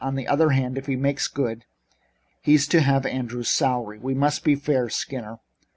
On the other hand, if he makes good he's to have Andrews' salary. We must be fair, Skinner.